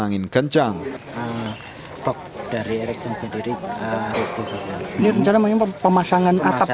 yang menyebabkan terjangan angin kencang